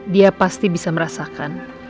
dia pasti bisa merasakan